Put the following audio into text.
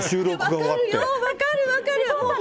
分かるよ、分かる、分かる。